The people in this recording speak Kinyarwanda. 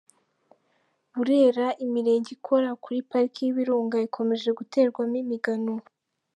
Burera Imirenge ikora kuri Pariki y’Ibirunga ikomeje guterwamo imigano